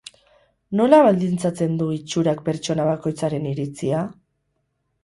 Nola baldintzatzen du itxurak pertsona bakoitzaren iritzia?